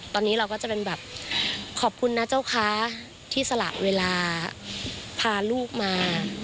ตอนนี้เราก็จะเป็นแบบขอบคุณนะเจ้าค้าที่สละเวลาพาลูกมา